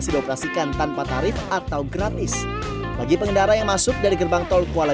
dioperasikan tanpa tarif atau gratis bagi pengendara yang masuk dari gerbang tol kuala